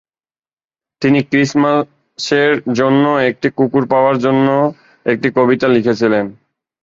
তিনি ক্রিসমাসের জন্য একটি কুকুর পাওয়ার জন্য একটি কবিতা লিখেছিলেন।